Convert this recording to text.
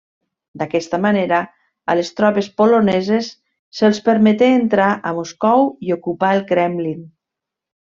D'aquesta manera, a les tropes poloneses se'ls permeté entrar a Moscou i ocupar el kremlin.